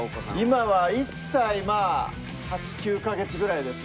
今は１歳まあ８９か月ぐらいですね。